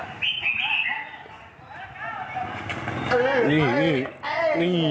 มาเที่ยวมาเที่ยว